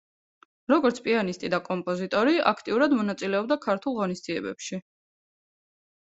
როგორც პიანისტი და კომპოზიტორი, აქტიურად მონაწილეობდა ქართულ ღონისძიებებში.